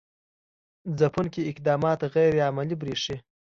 ځپونکي اقدامات غیر عملي برېښي.